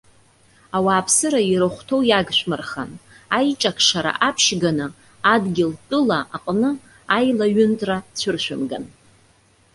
Ауааԥсыра ирыхәҭоу иагшәмырхан, аиҿакшара аԥшьганы адгьылтәыла аҟны аилаҩынтра цәыршәымган.